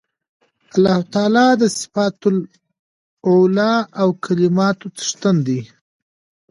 الله تعالی د صفات العُلی او کمالاتو څښتن دی